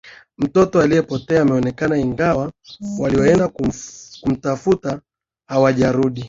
Mtoto aliyepotea ameonekana ingawa walioenda kumtafuta hawajarudi.